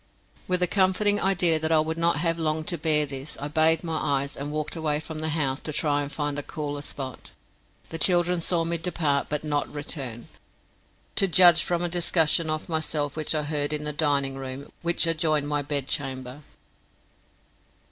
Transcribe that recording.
With the comforting idea that I would not have long to bear this, I bathed my eyes, and walked away from the house to try and find a cooler spot. The children saw me depart but not return, to judge from a discussion of myself which I heard in the dining room, which adjoined my bed chamber.